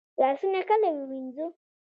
لاسونه کله ووینځو؟